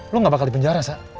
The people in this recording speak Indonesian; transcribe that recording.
lu gak bakal dipenjara sa